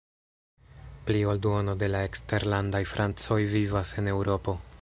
Pli ol duono de la eksterlandaj francoj vivas en Eŭropo.